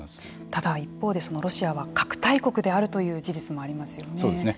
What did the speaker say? ただ一方でロシアは核大国であるというそうですね。